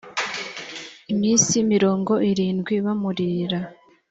iminsi mirongo irindwi bamuririra